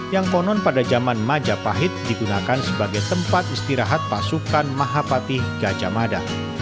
yang konon pada zaman majapahit digunakan sebagai tempat istirahat pasukan mahapati gajah mada